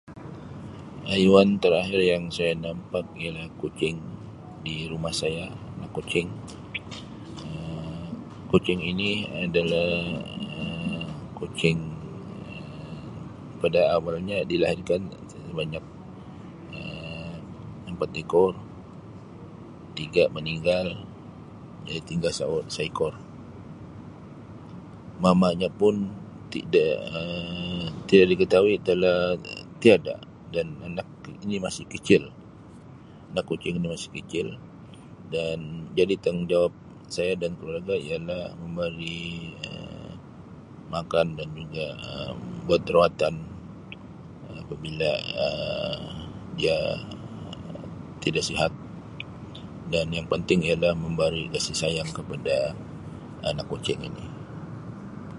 Haiwan terakhir yang saya nampak ialah kucing di rumah saya, anak kucing. Um Kucing ini adalah Um kucing Um pada awalnya dilahirkan sebanyak Um empat ekor, tiga meninggal jadi tinggal seor-seekor. Mamanya pun tidak Um tidak diketahui telah tiada dan anak ni masih kicil, anak kucing ni masih kicil dan jadi tanggungjawab saya dan keluarga ialah memberi Um makan dan juga buat rawatan Um apabila Um dia Um tida sihat dan yang penting ialah memberi kasih sayang kepada anak kucing ini.